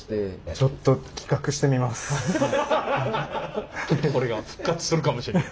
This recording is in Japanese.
ちょっとこれが復活するかもしれない。